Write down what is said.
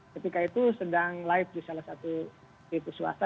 ketika itu sedang live di salah satu suasa